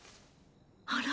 あら？